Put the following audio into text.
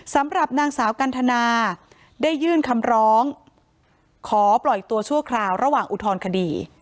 สำหรับนางสาวกันทนาได้ยื่นคำร้องขอปล่อยตัวชั่วคราวระหว่างอุทธรณคดี